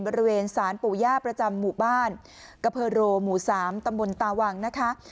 บริเวณสารปู่ย่าประจำหมู่บ้านกะเพอร์โรหมู่๓ตำบลตาวังนะคะ